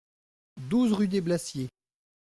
douze rue des Blassiers